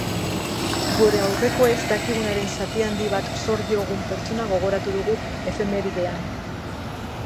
Gure aurrekoez dakigunaren zati handi bat zor diogun pertsona gogoratu dugu efemeridean.